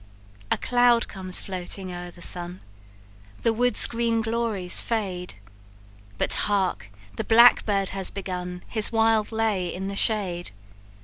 "A cloud comes floating o'er the sun, The woods' green glories fade; But hark! the blackbird has begun His wild lay in the shade.